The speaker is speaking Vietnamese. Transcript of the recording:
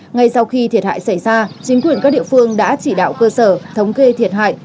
ngay sau khi thiệt hại xảy ra chính quyền các địa phương đã chỉ đạo cơ sở thống kê thiệt hại